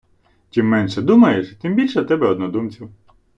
Чим менше думаєш, тим більше в тебе однодумців.